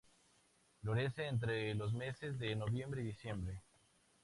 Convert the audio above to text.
Florece entre los meses de noviembre y diciembre.